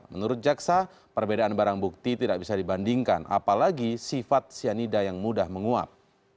menurut jaksa perbedaan barang bukti tidak bisa dibandingkan apalagi sifat cyanida yang mudah menguap